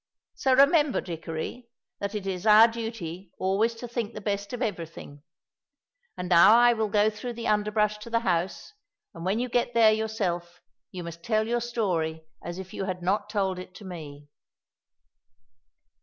So remember, Dickory, that it is our duty always to think the best of everything. And now I will go through the underbrush to the house, and when you get there yourself you must tell your story as if you had not told it to me."